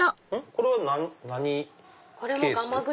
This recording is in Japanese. これは何ケース？